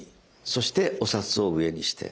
そしてお札を上にして。